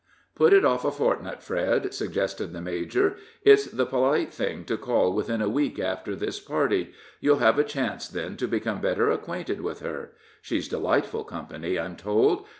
"Put it off a fortnight, Fred," suggested the major; "it's the polite thing to call within a week after this party; you'll have a chance then to become better acquainted with her. She's delightful company, I'm told.